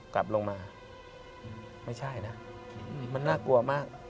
กลับลงมามันน่ากลัวมาก